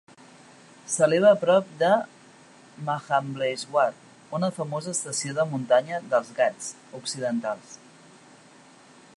S'eleva a prop de Mahableshwar, una famosa estació de muntanya als Ghats occidentals.